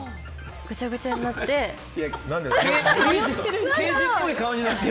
ぐちゃぐちゃになって。